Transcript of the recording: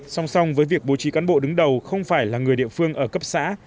song song với việc bố trí cán bộ đứng đầu không phải là người địa phương ở cấp xã